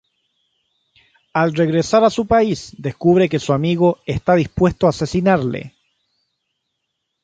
Al regresar a su país descubre que su amigo está dispuesto a asesinarle.